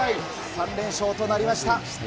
３連勝となりました。